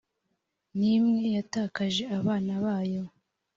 n imwe yatakaje abana bayo